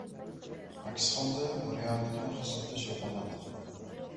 aks holda, reallikni his etish yo‘qoladi.